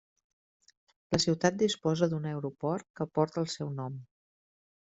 La ciutat disposa d'un aeroport que porta el seu nom.